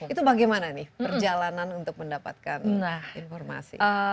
itu bagaimana nih perjalanan untuk mendapatkan informasi